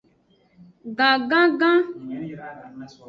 Gangangan.